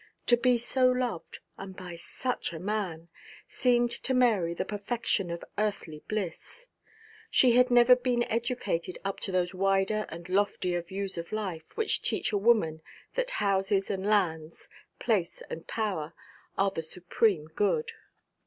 To be so loved, and by such a man, seemed to Mary the perfection of earthly bliss. She had never been educated up to those wider and loftier views of life, which teach a woman that houses and lands, place and power, are the supreme good.